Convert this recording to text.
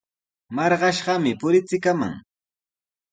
Marqashqami purichikamaq.